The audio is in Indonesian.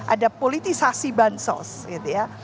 ada politisasi bansos gitu ya